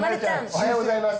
おはようございます。